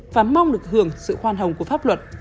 và mong được hưởng sự khoan hồng của pháp luật